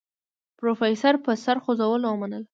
پروفيسر په سر خوځولو ومنله.